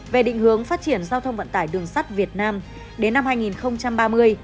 về định hướng phát triển giao thông vận tải đường sắt việt nam đến năm hai nghìn ba mươi